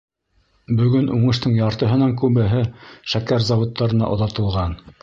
Бөгөн уңыштың яртыһынан күбеһе шәкәр заводтарына оҙатылған.